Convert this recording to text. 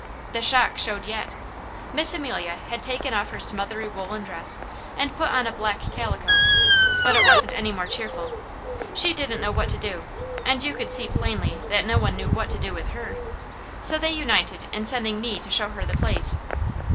The shock showed yet! Miss Amelia had taken off her smothery woollen dress and put on a black calico, but it wasn't any more cheerful. She didn't know what to do, and you could see plainly that no one knew what to do with her, so they united in sending me to show her the place.